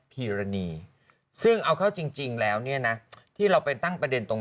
พีรณีซึ่งเอาเข้าจริงแล้วเนี่ยนะที่เราไปตั้งประเด็นตรง